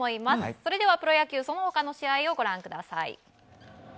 それではプロ野球その他の試合をご覧ください。